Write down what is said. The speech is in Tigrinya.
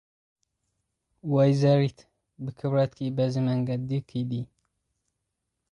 ወይዘሪት፡ ብኽብረትኪ በዚ መገዲ ኪዲ።